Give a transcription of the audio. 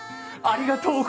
ありがとう。